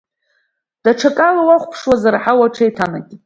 Даҽакала уахәаԥшуазар, аҳауа аҽеиҭанакит.